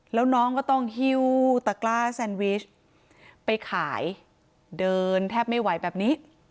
แล้วน้องก็ต้องหิ้วตะกล้าแซนวิชไปขายเดินแทบไม่ไหวแบบนี้